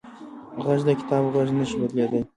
غږ د کتاب غږ نه شي بدلېدلی